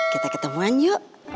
kita ketemuan yuk